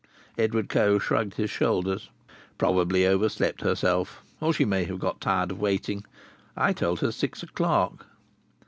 Edward Coe shrugged his shoulders. "Probably overslept herself! Or she may have got tired of waiting. I told her six o'clock."